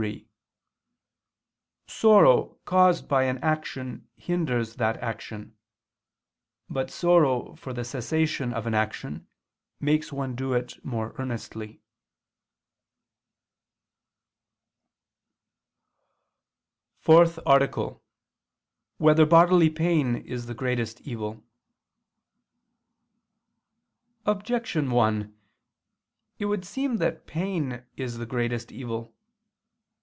3: Sorrow caused by an action hinders that action: but sorrow for the cessation of an action, makes one do it more earnestly. ________________________ FOURTH ARTICLE [I II, Q. 39, Art. 4] Whether Bodily Pain Is the Greatest Evil? Objection 1: It would seem that pain is the greatest evil.